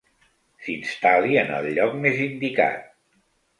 S'instal·li en el lloc més indicat.